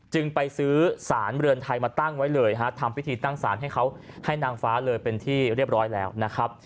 จึงไปซื้อสารเรือนไทยมาตั้งไว้เลยฮะทำพิธีตั้งสารให้เขาให้นางฟ้าเลยเป็นที่เรียบร้อยแล้วนะครับ